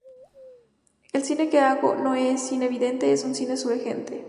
El cine que hago no es un cine evidente, es un cine sugerente.